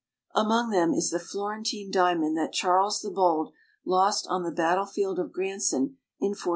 Among them is the Florentine diamond that Charles, the Bold lost on the battlefield of Granson in 1476.